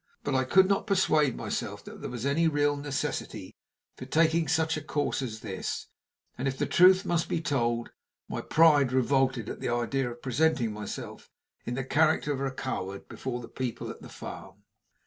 But I could not persuade myself that there was any real necessity for taking such a course as this; and, if the truth must be told, my pride revolted at the idea of presenting myself in the character of a coward before the people at the farm.